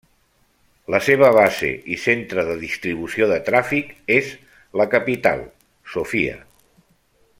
La seva base i centre de distribució de tràfic és la capital, Sofia.